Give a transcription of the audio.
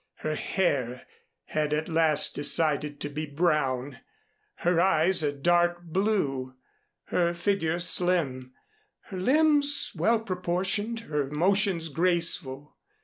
Her hair had at last decided to be brown, her eyes a dark blue, her figure slim, her limbs well proportioned, her motions graceful.